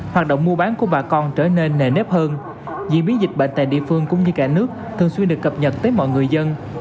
hoạt động mua bán của bà con trở nên nề nếp hơn diễn biến dịch bệnh tại địa phương cũng như cả nước thường xuyên được cập nhật tới mọi người dân